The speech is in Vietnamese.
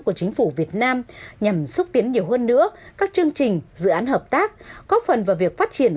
của chính phủ việt nam nhằm xúc tiến nhiều hơn nữa các chương trình dự án hợp tác góp phần vào việc phát triển